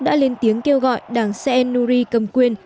đã lên tiếng kêu gọi đảng cel nuri cầm quyền